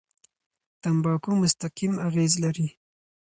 تمباکو مستقیم اغېز لري.